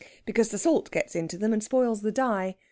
Because the salt gets into them and spoils the dye.